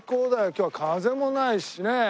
今日は風もないしね。